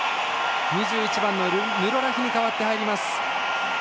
２１番のヌロラヒに代わって入ります。